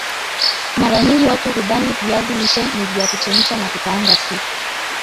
Mara nyingi watu hudhani viazi lishe ni vya kuchemsha na kukaanga tu